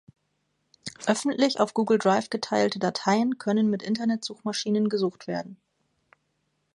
Öffentlich auf Google Drive geteilte Dateien können mit Internet-Suchmaschinen gesucht werden.